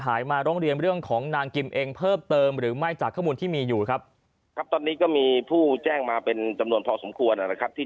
มาร้องเรียนเรื่องของนางกิมเองเพิ่มเติมหรือไม่จากข้อมูลที่มีอยู่ครับครับตอนนี้ก็มีผู้แจ้งมาเป็นจำนวนพอสมควรนะครับที่